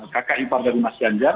kakak ipar dari mas ganjar